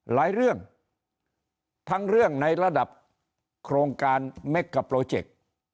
หลายเรื่องทั้งเรื่องในระดับโครงการเม็กกับโปรเจค